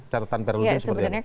catatan perlindungan seperti ini